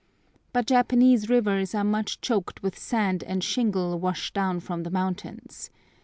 But Japanese rivers are much choked with sand and shingle washed down from the mountains.